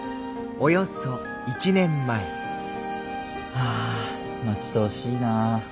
はあ待ち遠しいな。